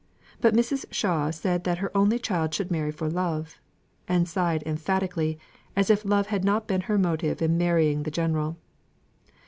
But Mrs. Shaw said that her only child should marry for love, and sighed emphatically, as if love had not been her motive for marrying the General.